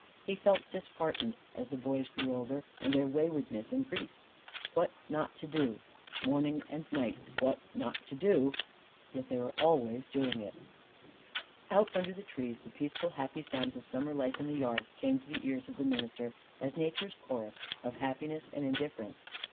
He felt disheartened as the boys grew older and their waywardness increased. What not to do morning and night what not to do. Yet they were always doing it. Out under the trees the peaceful happy sounds of summer life in the yard came to the ears of the minister as nature's chorus of happiness and indifference.